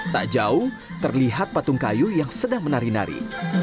tak jauh terlihat patung kayu yang sedang menari nari